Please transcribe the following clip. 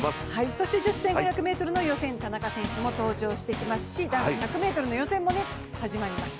そして女子１５００ｍは田中希実選手も登場しますし男子１００ｍの予選も始まります。